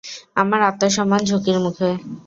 আমার আত্মসম্মান ঝুঁকির মুখে।